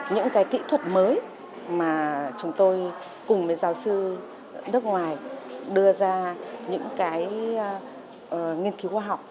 những cái kỹ thuật mới mà chúng tôi cùng với giáo sư nước ngoài đưa ra những cái nghiên cứu khoa học